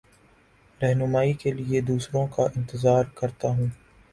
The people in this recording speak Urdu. رہنمائ کے لیے دوسروں کا انتظار کرتا ہوں